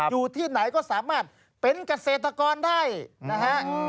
อยู่ที่ไหนก็สามารถเป็นเกษตรกรได้นะฮะ